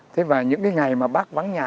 thế và những cái ngày mà bác vắng nhà